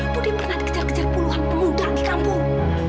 budi pernah dikejar kejar puluhan pemuda di kampung